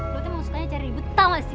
lu tuh emang sukanya cari ribut tau gak sih